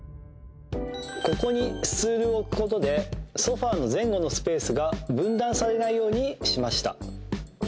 ここにスツールを置くことでソファの前後のスペースが分断されないようにしました。